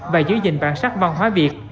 và giữ gìn bản sắc văn hóa việt